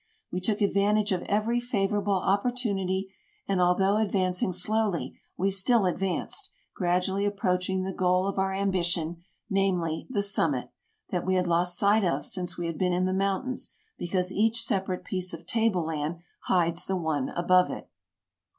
We took advantage of every favorable opportunity, and although advancing slowly, we still advanced, gradually approaching the goal of our ambition — namely, the summit, that we had lost sight of since we had been in the mountains, because each separate piece of table land hides the one above it.